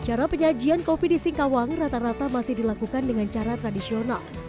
cara penyajian kopi di singkawang rata rata masih dilakukan dengan cara tradisional